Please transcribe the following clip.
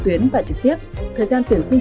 tuyến và trực tiếp thời gian tuyển sinh